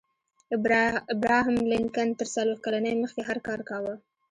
ابراهم لينکن تر څلوېښت کلنۍ مخکې هر کار کاوه.